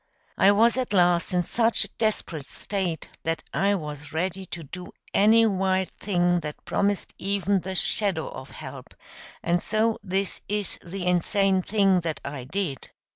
"I was at last in such a desperate state that I was ready to do any wild thing that promised even the shadow of help, and so this is the insane thing that I did.